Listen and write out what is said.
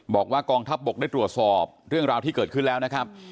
บอกว่ากองทัพบกได้ตรวจสอบเรื่องราวที่เกิดขึ้นแล้วนะครับ